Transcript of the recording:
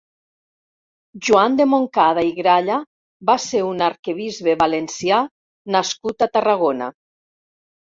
Joan de Montcada i Gralla va ser un arquebisbe valencià nascut a Tarragona.